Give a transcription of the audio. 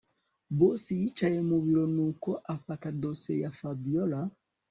Boss yicaye mubiro nuko afata dosiye ya Fabiora